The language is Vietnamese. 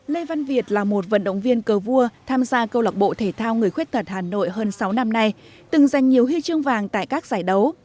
lê văn việt là một vận động viên cờ vua tham gia câu lạc bộ thể thao người khuyết tật hà nội hơn sáu năm nay từng giành nhiều huy chương vàng tại các giải đấu